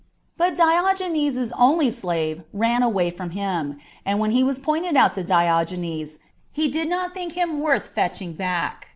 But Diogenes's only slave ran away from him, and when he was pointed out to Diogenes, he did not think him worth fetching back.